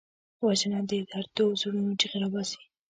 وژنه د دردو زړه چیغې راوباسي